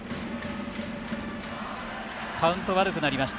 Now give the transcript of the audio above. カウント、悪くなりました。